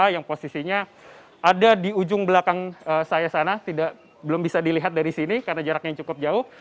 yang posisinya ada di ujung belakang saya sana belum bisa dilihat dari sini karena jaraknya cukup jauh